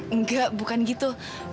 enggak bukan gitu